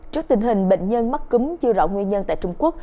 trước tình hình bệnh nhân mắc cúm chưa rõ nguyên nhân tại trung quốc